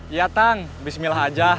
iya tang bismillah aja